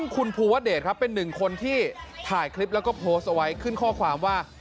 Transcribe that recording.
คุณภูวะเดชครับเป็นหนึ่งคนที่ถ่ายคลิปแล้วก็โพสต์เอาไว้ขึ้นข้อความว่า